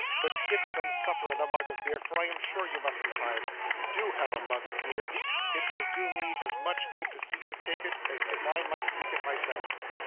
But get some supper and a mug of beer, for I am sure you must be tired. Do have a mug of beer. It will do me as much good to see you take it as if I might drink it myself.